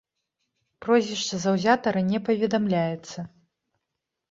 Прозвішча заўзятара не паведамляецца.